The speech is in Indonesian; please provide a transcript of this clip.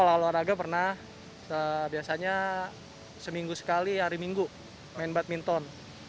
kalau olahraga pernah biasanya seminggu sekali hari minggu main badminton